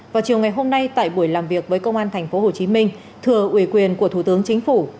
vào chiều ngày hôm nay tại buổi làm việc với công an tp hcm thừa ủy quyền của thủ tướng chính phủ